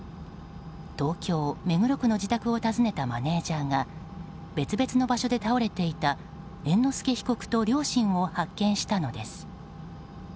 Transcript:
東京・目黒区の自宅を訪ねたマネジャーが別々の場所で倒れていた猿之助被告と両親を発見したのです。